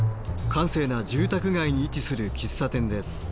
閑静な住宅街に位置する喫茶店です。